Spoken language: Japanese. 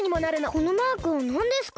このマークはなんですか？